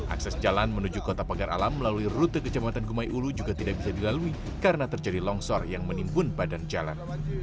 akses jalan menuju kota pagar alam melalui rute kecamatan gumai ulu juga tidak bisa dilalui karena terjadi longsor yang menimbun badan jalan